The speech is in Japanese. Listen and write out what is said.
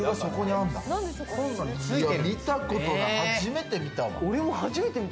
見たことない、初めて見たわ。